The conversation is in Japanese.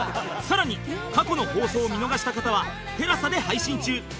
更に過去の放送を見逃した方はテラサで配信中